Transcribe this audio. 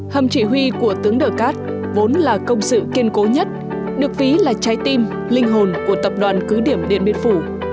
hầm chỉ huy của tướng đờ cát vốn là công sự kiên cố nhất được ví là trái tim linh hồn của tập đoàn cứ điểm điện biên phủ